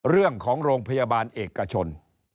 เรื่องของโรงพยาบาลเอกชน